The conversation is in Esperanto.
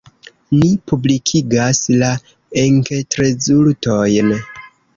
Ni publikigas la enketrezultojn.